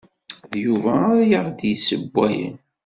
D Yuba ay aɣ-d-yessewwayen.